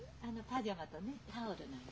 パジャマとねタオルなのよ。